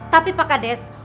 tapi pak hades